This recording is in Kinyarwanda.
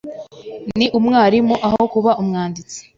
Ni umwarimu aho kuba umwanditsi.